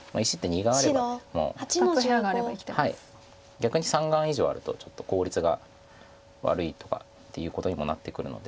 逆に３眼以上あるとちょっと効率が悪いとかっていうことにもなってくるので。